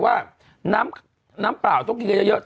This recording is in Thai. ว่าน้ำเปล่าต้องเกลียดเยอะ